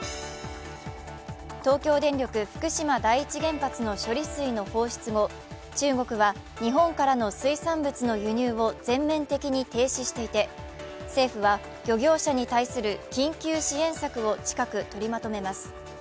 東京電力・福島第一原発の処理水の放出後中国は日本からの水産物の輸入を全面的に停止していて、政府は漁業者に対する緊急支援策を近く取りまとめます。